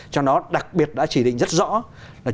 trong đó đặc biệt đã chỉ định rất rõ ràng